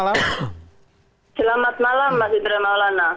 selamat malam mas ibrah llana